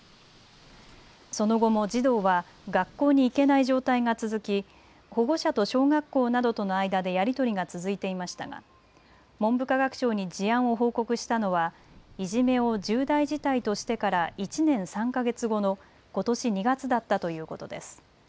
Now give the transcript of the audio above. その後も児童は学校に行けない状態が続き、保護者と小学校などとの間でやり取りが続いていましたが、文部科学省に事案を報告したのは、いじめを重大事態としてから１年３か月後のことし２月だったということです。